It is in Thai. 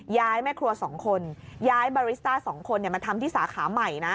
แม่ครัว๒คนย้ายบาริสต้า๒คนมาทำที่สาขาใหม่นะ